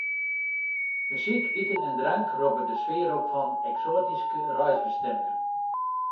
Muzyk, iten en drank roppe de sfear op fan eksoatyske reisbestimmingen.